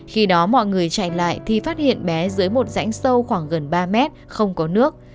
khi đó mọi người chạy lại thì phát hiện bé dưới một rãnh sâu khoảng gần ba mét không có nước